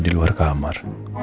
di luar kamar